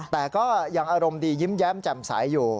แต่ก็ยังอารมณ์ดียิ้มแย้มแจ่มใสอยู่